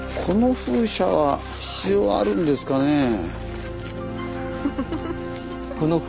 この風車は必要あるんですかね？